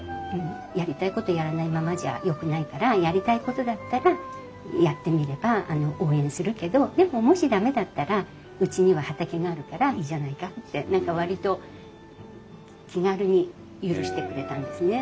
やりたいことやらないままじゃよくないからやりたいことだったらやってみれば応援するけどでももし駄目だったらうちには畑があるからいいじゃないかって何か割と気軽に許してくれたんですね。